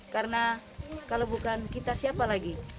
karena kalau bukan kita siapa lagi